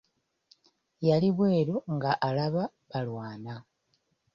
Yali bweru nga alaba balwana.